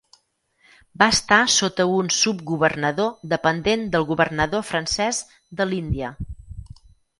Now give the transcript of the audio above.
Va estar sota un subgovernador dependent del governador francès de l'Índia.